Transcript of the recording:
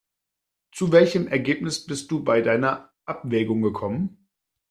Zu welchem Ergebnis bist du bei deiner Abwägung gekommen?